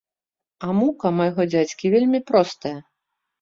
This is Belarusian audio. А мука майго дзядзькі вельмі простая.